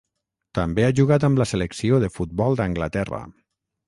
També ha jugat amb la selecció de futbol d'Anglaterra.